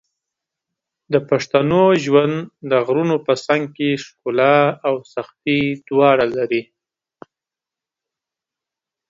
د پښتنو ژوند د غرونو په څنګ کې ښکلا او سختۍ دواړه لري.